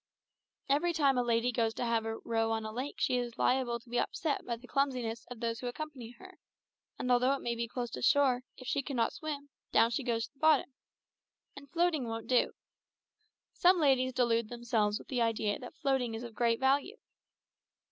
Every time a lady goes to have a row on a lake she is liable to be upset by the clumsiness of those who accompany her, and although it may be close to shore, if she cannot swim, down she goes to the bottom. And floating won't do. Some ladies delude themselves with the idea that floating is of great value.